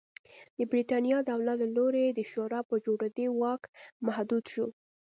د برېټانیا دولت له لوري د شورا په جوړېدو واک محدود شو.